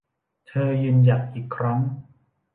เธอยืนหยัดอีกครั้ง